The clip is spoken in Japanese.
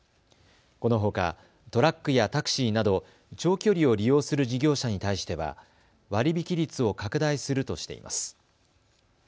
このほかトラックやタクシーなど長距離を利用する事業者に対しては割引率を拡大するとしています。